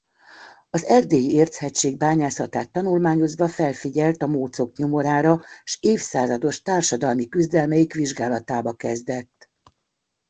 Az Erdélyi-érchegység bányászatát tanulmányozva felfigyelt a mócok nyomorára s évszázados társadalmi küzdelmeik vizsgálatába kezdett.